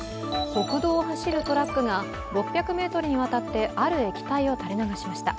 国道を走るトラックが６００ｍにわたってある液体を垂れ流しました。